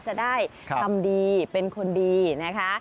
จะได้ทำดีเป็นคนดีนะคะ